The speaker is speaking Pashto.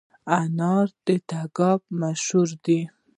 انار د تګاب مشهور دي